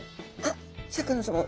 シャーク香音さま